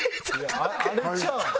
あれちゃうん？